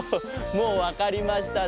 もうわかりましたね？